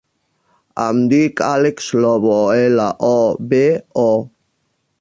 Em dic Àlex Lobo: ela, o, be, o.